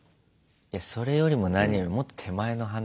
いやそれよりも何よりもっと手前の話だね。